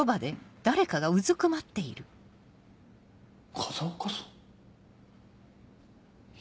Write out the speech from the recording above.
風岡さん？